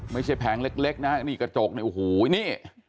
ไม่ใช่แผงเล็กนะนี่กระจกโอ้โหนี่